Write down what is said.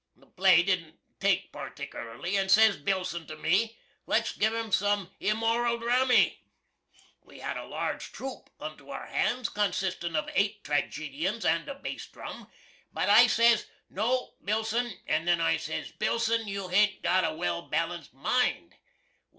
The play didn't take particlarly, and says Billson to me, Let's giv 'em some immoral dramy. We had a large troop onto our hands, consisting of eight tragedians and a bass drum, but I says, No, Billson; and then says I, Billson, you hain't got a well balanced mind.